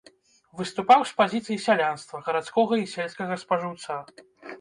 Выступаў з пазіцый сялянства, гарадскога і сельскага спажыўца.